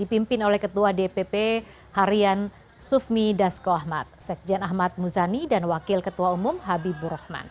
dipimpin oleh ketua dpp harian sufmi dasko ahmad sekjen ahmad muzani dan wakil ketua umum habibur rahman